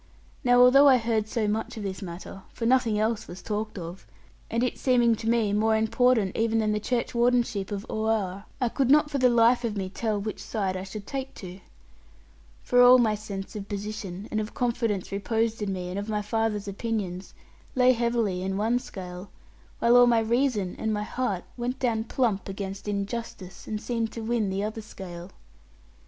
Now although I heard so much of this matter, for nothing else was talked of, and it seeming to me more important even than the churchwardenship of Oare, I could not for the life of me tell which side I should take to. For all my sense of position, and of confidence reposed in me, and of my father's opinions, lay heavily in one scale, while all my reason and my heart went down plump against injustice, and seemed to win the other scale.